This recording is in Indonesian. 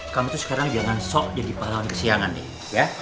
kamu tuh sekarang jangan sok jadi pahlawan kesiangan ya